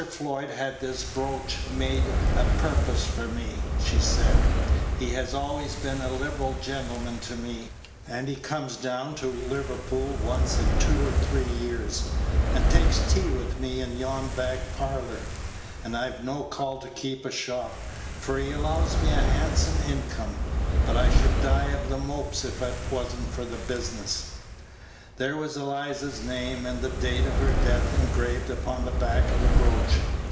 Floyd had this brooch made a purpose for me,' she said; 'he has always been a liberal gentleman to me, and he comes down to Liverpool once in two or three years, and takes tea with me in yon back parlor; and I've no call to keep a shop, for he allows me a handsome income; but I should die of the mopes if it was n't for the business.' There was Eliza's name and the date of her death engraved upon the back of the brooch.